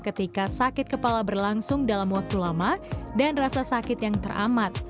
ketika sakit kepala berlangsung dalam waktu lama dan rasa sakit yang teramat